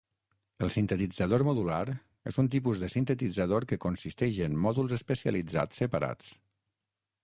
El sintetitzador modular és un tipus de sintetitzador que consisteix en mòduls especialitzats separats.